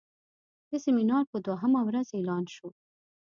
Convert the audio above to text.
د سیمینار په دوهمه ورځ اعلان شو.